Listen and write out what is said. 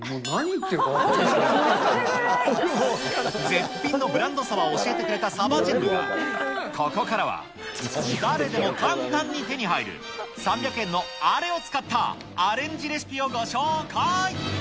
絶品のブランドサバを教えてくれたサバジェンヌが、ここからは誰でも簡単に手に入る、３００円のあれを使ったアレンジレシピをご紹介。